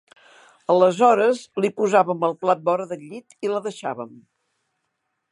Aleshores li posàvem el plat vora del llit i la deixàvem